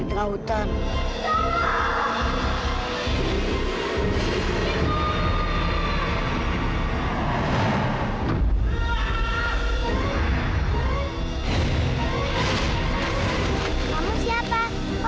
itulah yang dicari